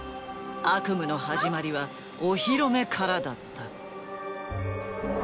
悪夢の始まりはお披露目からだった。